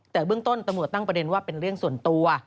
แต่เบื้องต้นตำรวจตั้งประเด็นว่าเป็นเรื่องส่วนตัว